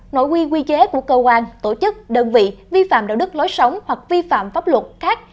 nội quy quy chế của cơ quan tổ chức đơn vị vi phạm đạo đức lối sống hoặc vi phạm pháp luật khác